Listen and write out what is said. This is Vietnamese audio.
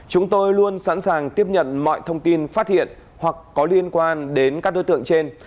chúng tôi luôn sẵn sàng tiếp nhận mọi thông tin phát hiện hoặc có liên quan đến các đối tượng trên